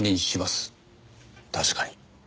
確かに。